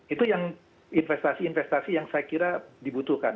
itu yang investasi investasi yang saya kira dibutuhkan